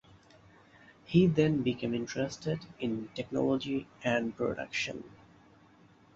He then became interested in technology and production.